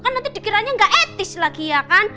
kan nanti dikiranya nggak etis lagi ya kan